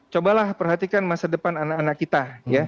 cobalah perhatikan masa depan anak anak kita